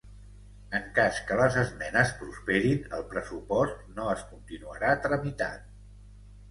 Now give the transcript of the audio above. En cas que les esmenes prosperin el pressupost no es continuarà tramitant.